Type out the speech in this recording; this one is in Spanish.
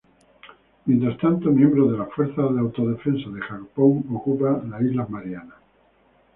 Mientras tanto, miembros de las Fuerzas de Autodefensa de Japón ocupan las islas Marianas.